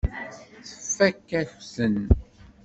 Tfakk-ak-ten.